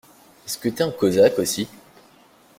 Est-ce que t'es un Cosaque aussi?